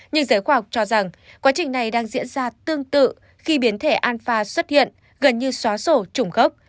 nhưng giới khoa học cho rằng quá trình này đang diễn ra tương tự khi biến thể alpha xuất hiện gần như xóa sổ trùng gốc